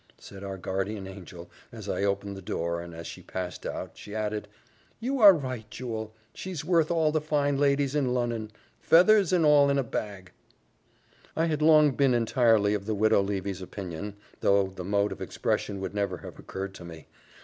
said our guardian angel, as I opened the door; and as she passed out, she added, "You are right, jewel she's worth all the fine ladies in Lon'on, feathers an' all in a bag." I had long been entirely of the Widow Levy's opinion, though the mode of expression would never have occurred to me.